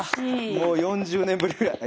もう４０年ぶりぐらい５０年か。